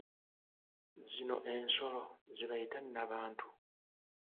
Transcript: Zino ensolo ze bayita nnabantu.